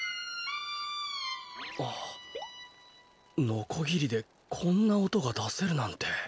のこぎりでこんなおとがだせるなんて。